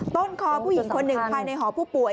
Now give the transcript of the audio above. ต้นคอผู้หญิงคนหนึ่งภายในหอผู้ป่วย